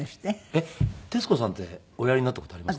えっ徹子さんっておやりになった事ありますか？